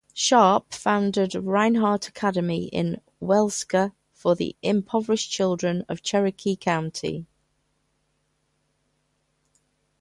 Sharp, founded Reinhardt Academy in Waleska for the impoverished children of Cherokee County.